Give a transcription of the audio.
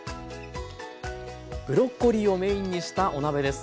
ブロッコリーをメインにしたお鍋です。